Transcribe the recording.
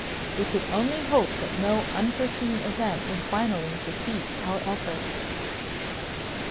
We could only hope that no unforeseen event would finally defeat our efforts.